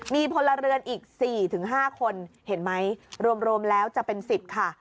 มีพลเรือนอีกสี่ถึงห้าคนเห็นไหมรวมรวมแล้วจะเป็นสิบค่ะ